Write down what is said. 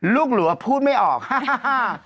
ลูกหลัวพูดไม่ออกฮ่า